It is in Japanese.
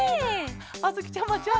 あづきちゃまじゃあさ。